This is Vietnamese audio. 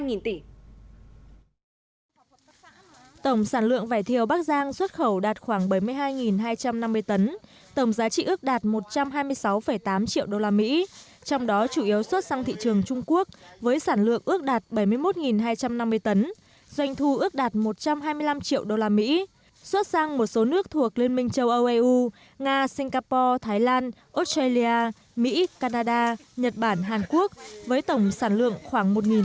tổng sản lượng vải thiều bắc giang xuất khẩu đạt khoảng bảy mươi hai hai trăm năm mươi tấn tổng giá trị ước đạt một trăm hai mươi sáu tám triệu đô la mỹ trong đó chủ yếu xuất sang thị trường trung quốc với sản lượng ước đạt bảy mươi một hai trăm năm mươi tấn doanh thu ước đạt một trăm hai mươi năm triệu đô la mỹ xuất sang một số nước thuộc liên minh châu âu eu nga singapore thái lan australia mỹ canada nhật bản hàn quốc với tổng sản lượng khoảng một tấn